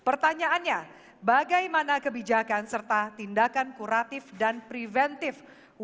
pertanyaannya bagaimana kebijakan serta tindakan pusat dan tempat kesehatan konsumsi